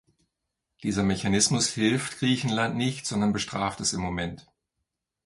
Dieser Mechanismus hilft Griechenland nicht, sondern bestraft es im Moment.